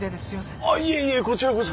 あっいえいえこちらこそ。